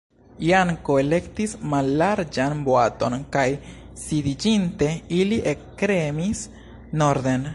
Janko elektis mallarĝan boaton kaj sidiĝinte, ili ekremis norden.